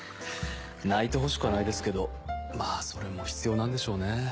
泣いてほしくはないですけどまぁそれも必要なんでしょうね。